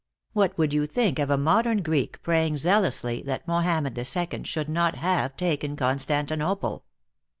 What would you think of a modern Greek praying zealously that Moharned II. should not have taken Constantinople?